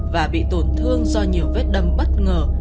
và bị tổn thương do nhiều vết đâm bất ngờ